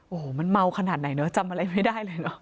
โอ้โหมันเมาขนาดไหนเนอะจำอะไรไม่ได้เลยเหรอ